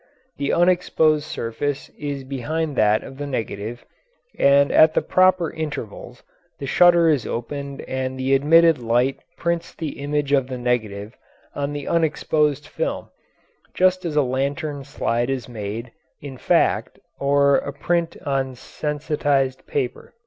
The unexposed surface is behind that of the negative, and at the proper intervals the shutter is opened and the admitted light prints the image of the negative on the unexposed film, just as a lantern slide is made, in fact, or a print on sensitised paper.